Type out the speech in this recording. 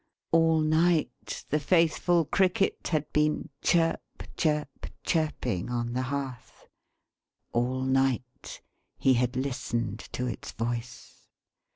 All night the faithful Cricket had been Chirp, Chirp, Chirping on the Hearth. All night he had listened to its voice.